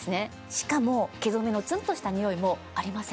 しかも毛染めのツンとした匂いもありません。